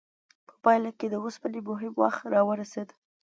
په پایله کې د اوسپنې مهم وخت راورسید.